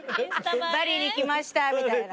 バリに来ましたみたいな。